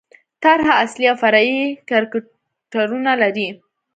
طرحه اصلي او فرعي کرکټرونه لري.